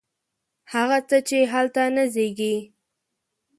هغه څه، چې هلته نه زیږي